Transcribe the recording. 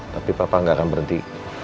tapi papa nggak akan berhenti